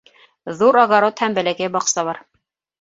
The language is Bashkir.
Ҙур огород һәм бәләкәй баҡса бар